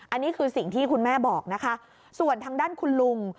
อันนี้คือสิ่งที่คุณแม่บอกนะคะส่วนทางด้านคุณลุง